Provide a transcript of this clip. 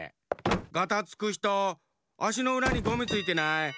ガタつくひとあしのうらにゴミついてない？